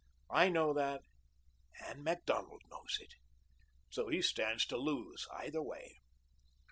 I know that and Macdonald knows it. So he stands to lose either way."